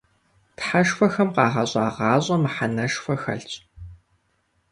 Тхьэшхуэхэм къагъэщӀа гъащӀэм мыхьэнэшхуэ хэлъщ.